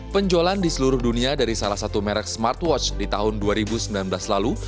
penjualan di seluruh dunia dari salah satu merek smartwatch di tahun dua ribu sembilan belas lalu